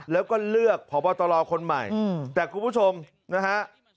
แล้วก็เลือกพบตรคนใหม่แต่คุณผู้ชมนะฮะ